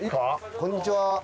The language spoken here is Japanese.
こんにちは。